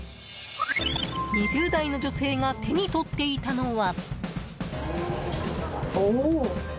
２０代の女性が手に取っていたのは。